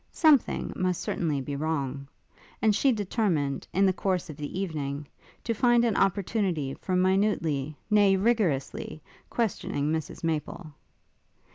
Something must certainly be wrong; and she determined, in the course of the evening, to find an opportunity for minutely, nay rigorously, questioning Mrs Maple.